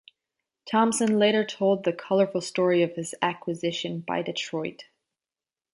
Thompson later told the colorful story of his acquisition by Detroit.